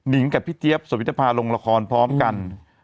กับพี่เจี๊ยบสุวิทภาลงละครพร้อมกัน